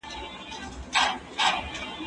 که وخت وي، مړۍ خورم،